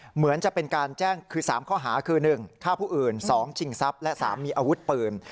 เหมือนจะเป็นการแจ้งคือ๓ข้อหาคือ๑ฆ่าผู้อื่น๒ชิงทรัพย์และ๓มีอาวุธปืน